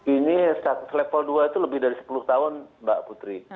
ini level dua itu lebih dari sepuluh tahun mbak putri